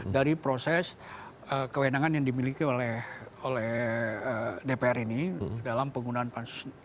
dari proses kewenangan yang dimiliki oleh dpr ini dalam penggunaan pansus